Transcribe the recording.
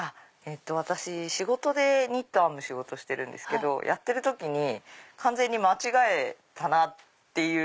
私ニット編む仕事してるんですけどやってる時に完全に間違えたなっていう。